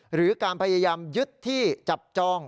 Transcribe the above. หรือการพยายามยึดที่จับจอง